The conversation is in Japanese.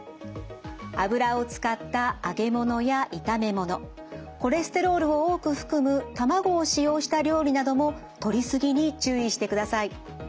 油を使った揚げものや炒めものコレステロールを多く含む卵を使用した料理などもとりすぎに注意してください。